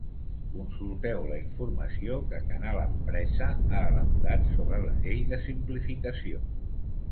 Consulteu la informació que Canal Empresa ha elaborat sobre la Llei de simplificació.